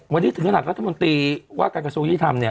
วันนี้ถึงขณะรัฐมนตรีว่ากันกับซูอิทธรรมเนี่ย